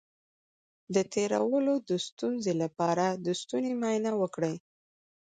د تیرولو د ستونزې لپاره د ستوني معاینه وکړئ